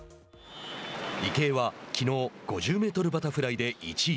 池江はきのう５０メートルバタフライで１位。